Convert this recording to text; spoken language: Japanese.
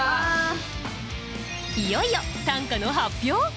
いよいよ短歌の発表